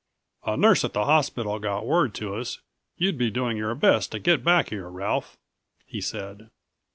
"A nurse at the hospital got word to us you'd be doing your best to get back here, Ralph," he said.